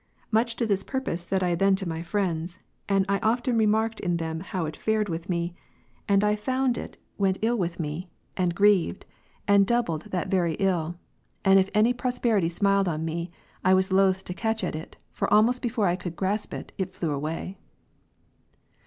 Much to this purpose said I then to my friends : and I often marked in them how it fared with me ; and I found 94 History of Alypius, a friend of Augustine, it went ill with me, and grieved, and doubled that very ill ; and if any prosperity smiled on me, I was loath to catch at it, for almost before I could grasp it, it flew away.